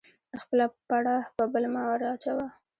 خپله پړه په بل مه ور اچوه